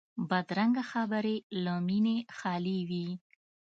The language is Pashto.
بدرنګه خبرې له مینې خالي وي